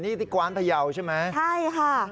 นี่ที่กว้านพยาวใช่ไหมใช่ค่ะ